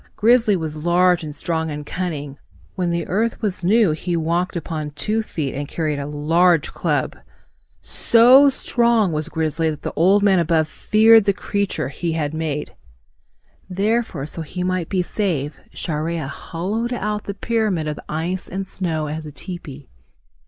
Grizzly was large and strong and cunning. When the earth was new he walked upon two feet and carried a large club. So strong was Grizzly that Old Man Above feared the creature he had made. Therefore, so that he might be safe, Chareya hollowed out the pyramid of ice and snow as a tepee.